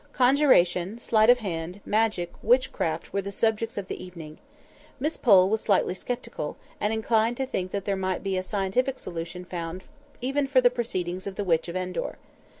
Conjuration, sleight of hand, magic, witchcraft, were the subjects of the evening. Miss Pole was slightly sceptical, and inclined to think there might be a scientific solution found for even the proceedings of the Witch of Endor.